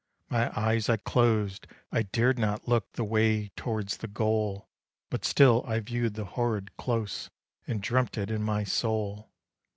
My eyes I closed I dared not look the way towards the goal; But still I viewed the horrid close, and dreamt it in my soul.